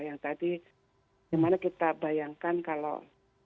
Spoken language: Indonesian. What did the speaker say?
yang tadi gimana kita bayangkan kalau